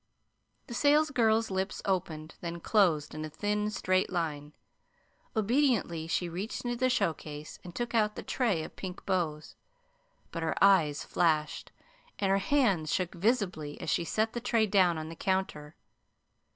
The salesgirl's lips opened, then closed in a thin, straight line. Obediently she reached into the show case and took out the tray of pink bows; but her eyes flashed, and her hands shook visibly as she set the tray down on the counter.